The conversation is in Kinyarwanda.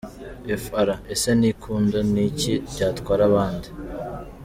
fr : Ese ntikunda ni iki byatwara abandi ?.